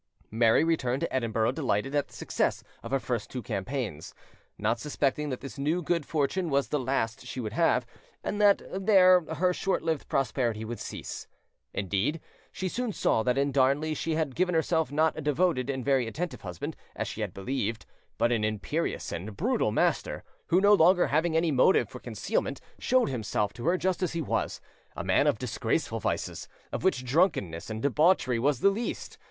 Mary returned to Edinburgh delighted at the success of her two first campaigns, not suspecting that this new good fortune was the last she would have, and that there her short lived prosperity would cease. Indeed, she soon saw that in Darnley she had given herself not a devoted and very attentive husband, as she had believed, but an imperious and brutal master, who, no longer having any motive for concealment, showed himself to her just as he was, a man of disgraceful vices, of which drunkenness and debauchery was the least.